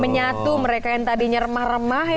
menyatu mereka yang tadinya remah remah